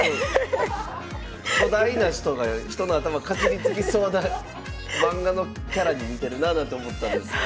巨大な人が人の頭かじりつきそうな漫画のキャラに似てるななんて思ったんですが。